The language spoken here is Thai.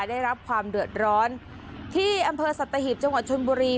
ได้รับความเดือดร้อนที่อำเภอสัตหีบจังหวัดชนบุรี